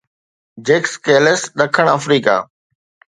جيڪس Kallis ڏکڻ Africa